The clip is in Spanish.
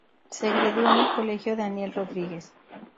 Se graduó en el colegio "Daniel Rodríguez".